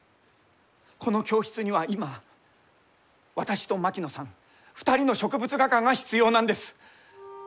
この教室には今私と槙野さん２人の植物画家が必要なんです。